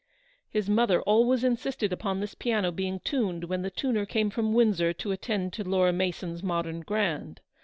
His mother always in sisted upon this piano being tuned when the tuner come from Windsor to attend to Laura Mason's modern grand.